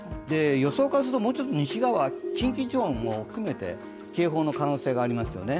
予想からするともう少し西側、近畿地方も含めて警報の可能性がありますよね。